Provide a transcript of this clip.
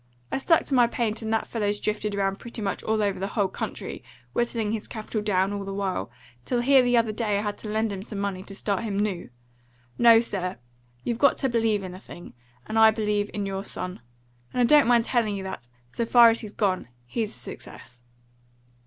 I stuck to my paint, and that fellow's drifted round pretty much all over the whole country, whittling his capital down all the while, till here the other day I had to lend him some money to start him new. No, sir, you've got to believe in a thing. And I believe in your son. And I don't mind telling you that, so far as he's gone, he's a success."